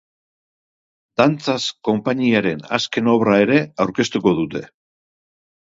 Dantzaz konpainiaren azken obra ere aurkeztuko dute.